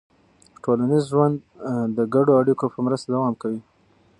ټولنیز ژوند د ګډو اړیکو په مرسته دوام کوي.